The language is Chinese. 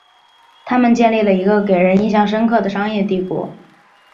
他们建立了一个给人印象深刻的商业帝国。